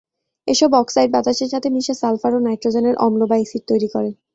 এসব অক্সাইড বাতাসের সাথে মিশে সালফার ও নাইট্রোজেনের অম্ল বা এসিড তৈরি করে।